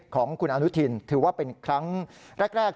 ของคุณอนุทินถือว่าเป็นครั้งแรก